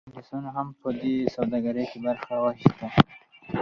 انګلیسانو هم په دې سوداګرۍ کې برخه واخیسته.